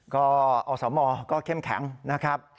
ก็อสมก็เข้มแข็งนะครับ